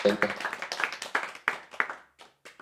মোটের উপর আমরা তো অনেক পুরনো বন্ধু, তাইনা।